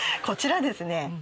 こちらですね